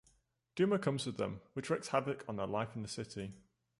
Duma comes with them, which wreaks havoc on their life in the city.